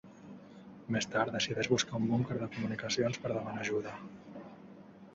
Més tard, decideix buscar un búnquer de comunicacions per demanar ajuda.